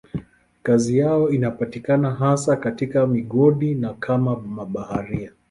Kazi yao inapatikana hasa katika migodi na kama mabaharia.